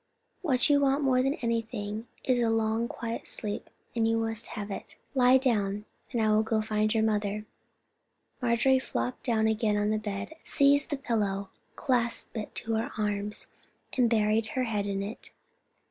"What you want more than anything else is a long, quiet sleep, and you must have it. Lie down; I will go and find your mother." Marjorie flopped down again on the bed, seized the pillow, clasped it in her arms, and buried her head in it.